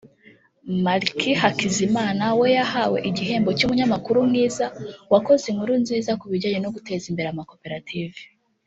Malachie Hakizimana we yahawe igihembo cy’umunyamakuru mwiza wakoze inkuru nziza ku bijyanye no guteza imbere amakoperative